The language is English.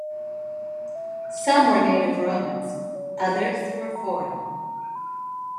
Some were native Romans, others were foreign.